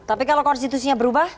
tapi kalau konstitusinya berubah